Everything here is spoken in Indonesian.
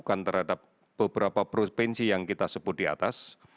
melakukan terhadap beberapa provinsi yang kita sebut di atas